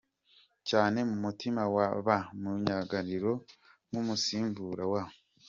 cyane mu mutima wa ba myugariro nk’umusimbura wa